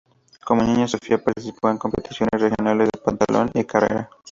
Como niña, Sofía participó en competiciones regionales de pentatlón y carrera.